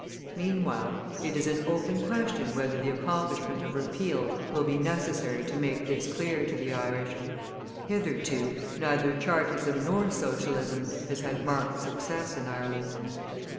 Meanwhile, it is an open question whether the accomplishment of repeal will be necessary to make this clear to the Irish. Hitherto, neither Chartism nor Socialism has had marked success in Ireland.